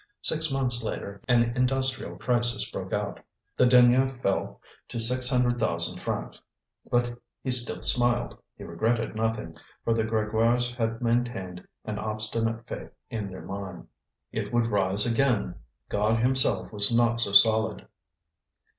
Six months later an industrial crisis broke out; the denier fell to six hundred thousand francs. But he still smiled; he regretted nothing, for the Grégoires had maintained an obstinate faith in their mine. It would rise again: God Himself was not so solid.